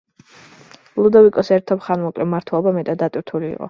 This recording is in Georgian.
ლუდოვიკოს ერთობ ხანმოკლე მმართველობა მეტად დატვირთული იყო.